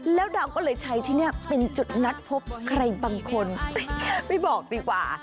แล้วดาวก็เลยใช้ที่นี่เป็นจุดนัดพบใครบางคนไม่บอกดีกว่า